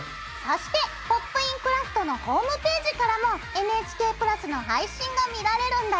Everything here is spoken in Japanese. そして「ポップイン！クラフト」のホームページからもＮＨＫプラスの配信が見られるんだよ。